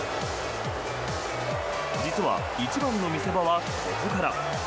実は、一番の見せ場はここから。